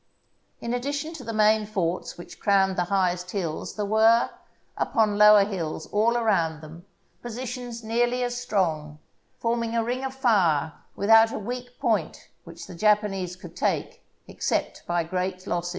In addition to the main forts which crowned the highest hills there were, upon lower hills all around them, positions nearly as strong, forming a ring of fire without a weak point which the Japanese could take except by great losses.